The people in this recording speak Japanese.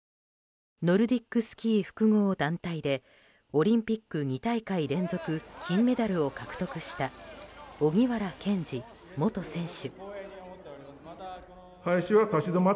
ノルディックスキー複合団体でオリンピック２大会連続金メダルを獲得した荻原健司元選手。